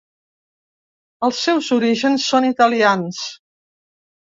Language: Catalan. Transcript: Els seus orígens són italians.